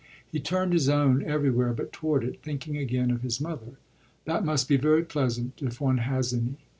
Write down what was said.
He turned his own everywhere but toward it, thinking again of his mother. "That must be very pleasant, if one has any."